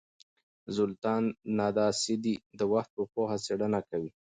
زولتان ناداسدي د وخت په پوهه څېړنه کوي.